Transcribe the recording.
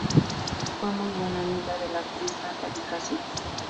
Fue muy buena amiga de la actriz Natalie Cassidy.